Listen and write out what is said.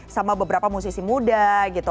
sama beberapa musisi muda gitu